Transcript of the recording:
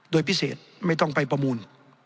โดยพิเศษไม่ต้องไปประมูล